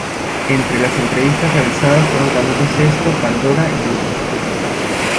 Entre las entrevista realizadas fueron Camilo Sesto, Pandora y Yuri.